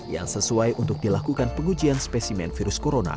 yang sesuai untuk dilakukan pengujian spesimen virus corona